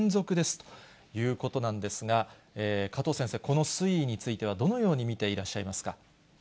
ということなんですが、加藤先生、この推移についてはどのように見ていらっしゃいますか。